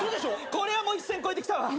これは一線越えてきたわ。